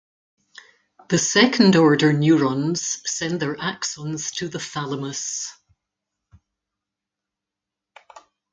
The second-order neurons send their axons to the thalamus.